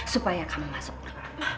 supaya kamu masuk neraka